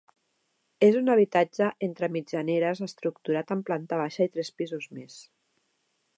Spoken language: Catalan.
És un habitatge entre mitjaneres estructurat en planta baixa i tres pisos més.